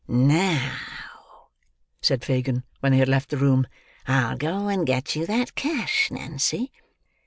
"Now," said Fagin, when they had left the room, "I'll go and get you that cash, Nancy.